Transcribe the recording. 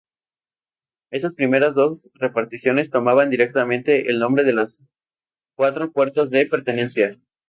Estas primeras dos reparticiones, tomaban directamente el nombre de las quatro puertas de pertenencia.